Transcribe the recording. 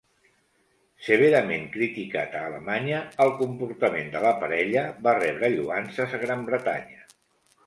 Severament criticat a Alemanya, el comportament de la parella va rebre lloances a Gran Bretanya.